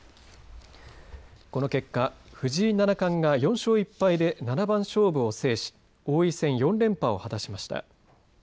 この結果、藤井七冠が４勝１敗で七番勝負を制し王位戦４連覇を果たしました。